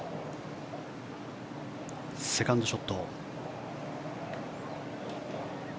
セカンドショット。